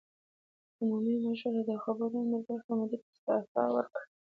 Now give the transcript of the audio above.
عمومي مشر او د خبرونو د برخې مدیرې استعفی ورکړې